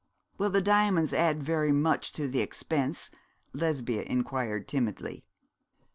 'Will the diamonds add very much to the expense?' Lesbia inquired, timidly.